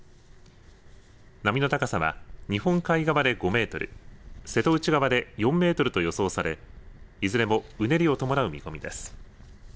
波の高さは日本海側で５メートル、瀬戸内側で４メートルと予想されいずれもうねりを伴う見込みです。